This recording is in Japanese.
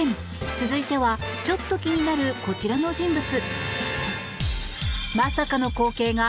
続いてはちょっと気になるこちらの人物。